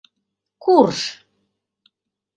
Курж!